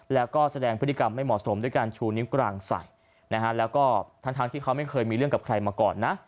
แล้วก็แสดงพฤติกรรมไม่เหมาะสมด้วยการชูนิ้วกลางใส่นะฮะแล้วก็ทั้งที่เขาไม่เคยมีเรื่องกับใครมาก่อนนะ